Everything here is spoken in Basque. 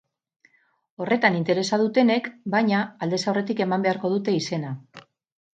Horretan interesa dutenek, baina, aldez aurretik eman beharko dute izena.